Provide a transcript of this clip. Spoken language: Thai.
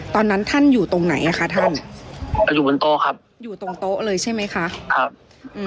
ตอนนั้นท่านอยู่ตรงไหนอ่ะคะท่านอยู่บนโต๊ะครับอยู่ตรงโต๊ะเลยใช่ไหมคะครับอืม